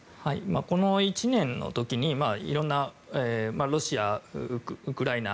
この１年の時にいろんなロシア、ウクライナ